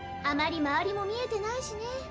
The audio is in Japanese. あまり周りも見えてないしね。